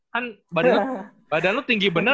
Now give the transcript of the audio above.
kan badan lu tinggi banget